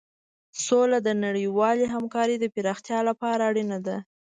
سوله د نړیوالې همکارۍ د پراختیا لپاره اړینه ده.